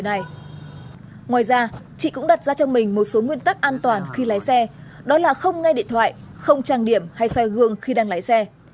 ngoài ra chị cũng đặt ra cho mình một số nguyên tắc an toàn khi lái xe đó là không nghe điện thoại không trang điểm hay xe gương khi đang lái xe